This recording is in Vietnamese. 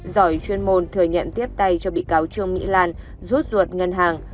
giỏi chuyên môn thừa nhận tiếp tay cho bị cáo trương mỹ lan rút ruột ngân hàng